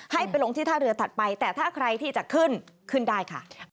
ให้ไปลงที่ท่าเรือถัดไปแต่ถ้าใครที่จะขึ้นขึ้นได้ค่ะ